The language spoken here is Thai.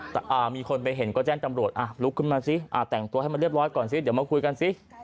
แต่มีคนไปเห็นก็แจ้งตำรวจอ่ะลุกขึ้นมาสิแต่งตัวให้มันเรียบร้อยก่อนสิเดี๋ยวมาคุยกันสิ